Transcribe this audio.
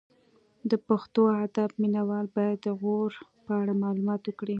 د پښتو ادب مینه وال باید د غور په اړه مطالعه وکړي